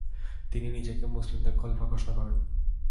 তিনি নিজেকে মুসলিমদের খলিফা ঘোষণা করেন।